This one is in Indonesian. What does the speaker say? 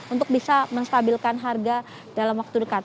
untuk bisa menstabilkan harga dalam waktu dekat